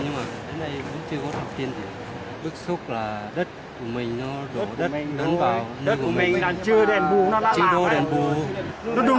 nhưng mà đến đây cũng chưa có được tiền tiền